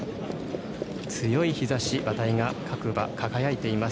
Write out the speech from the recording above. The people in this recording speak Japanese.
強い日ざし、馬体が各馬、輝いています。